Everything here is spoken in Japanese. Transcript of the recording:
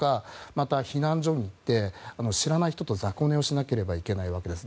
また、避難所に行って知らない人と雑魚寝をしなければいけないわけです。